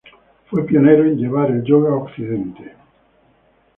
Fue un pionero en llevar el yoga a Occidente.